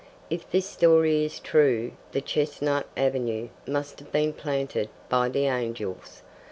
If this story is true, the chestnut avenue must have been planted by the angels.